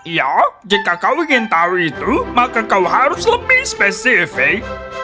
ya jika kau ingin tahu itu maka kau harus lebih spesifik